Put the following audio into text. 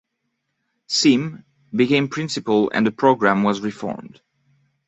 Sim became principal and the programme was reformed.